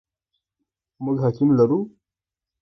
موږ حکیم لرو ؟